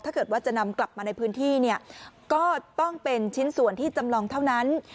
ถ้าเกิดว่าจะนำกลับมาในพื้นที่เนี่ยก็ต้องเป็นชิ้นส่วนที่จำลองเท่านั้น